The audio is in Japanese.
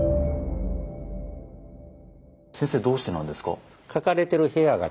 先生どうしてなんですか？